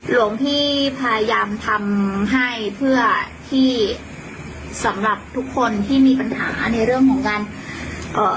หลวงพี่พยายามทำให้เพื่อที่สำหรับทุกคนที่มีปัญหาในเรื่องของการเอ่อ